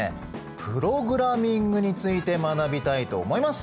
プログラミングについて学びたいと思います。